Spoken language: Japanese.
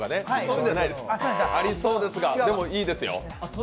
ありそうですが、でもいいですよ。